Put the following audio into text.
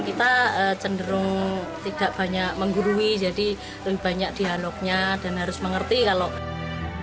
kita cenderung tidak banyak menggurui jadi lebih banyak dialognya dan harus mengerti kalau